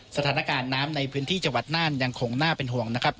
สถานการณ์น้ำในพื้นที่จังหวัดน่านยังคงน่าเป็นห่วงนะครับ